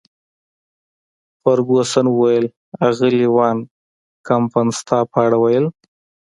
فرګوسن وویل: اغلې وان کمپن ستا په اړه ویل.